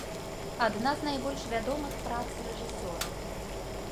Адна з найбольш вядомых прац рэжысёра.